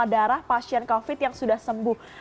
darah pasien covid yang sudah sembuh